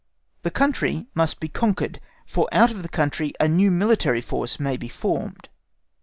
The country must be conquered, for out of the country a new military force may be formed.